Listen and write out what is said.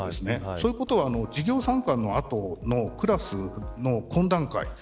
そういうことは授業参観の後のクラスの懇談会